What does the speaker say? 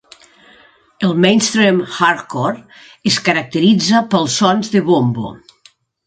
El mainstream hardcore es caracteritza pels sons de bombo.